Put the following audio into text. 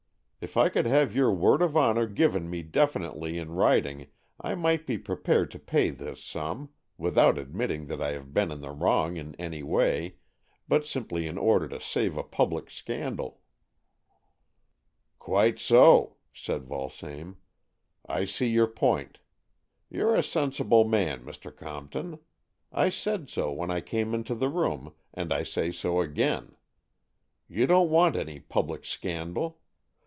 If I could have your w'ord of honour given me definitely in wTiting, I might be prepared to pay this sum, without admitting that I have been in the wrong in any way, but simply in order to save a public scandal." AN EXCHANGE OF SOULS 173 " Quite so," said Vulsame. " I see your point. You're a sensible man, Mr. Comp ton. I said so when I came into the room, and I say so again. You don't want any public scandal.